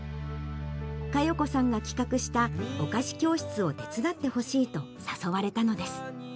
加代子さんが企画したお菓子教室を手伝ってほしいと、誘われたのです。